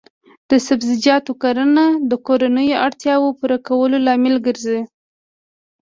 د سبزیجاتو کرنه د کورنیو اړتیاوو پوره کولو لامل ګرځي.